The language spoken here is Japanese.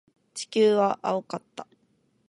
地球は青かった。